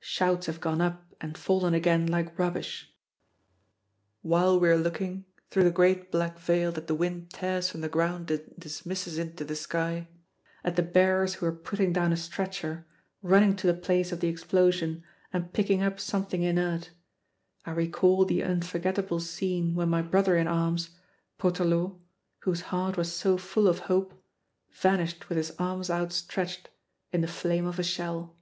Shouts have gone up and fallen again like rubbish. While we are looking, through the great black veil that the wind tears from the ground and dismisses into the sky, at the bearers who are putting down a stretcher, running to the place of the explosion and picking up something inert I recall the unforgettable scene when my brother in arms, Poterloo, whose heart was so full of hope, vanished with his arms outstretched in the flame of a shell.